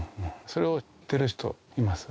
それを知ってる人はいます？